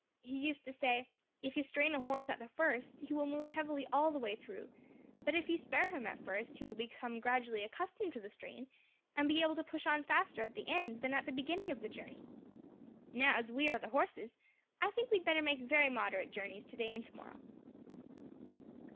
He used to say, 'If you strain a horse at the first, he will move heavily all the way through, but if you spare him at first, he will become gradually accustomed to the strain, and be able to push on faster at the end than at the beginning of the journey!' Now, as we are the horses, I think we had better make very moderate journeys today and tomorrow."